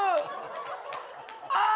ああ！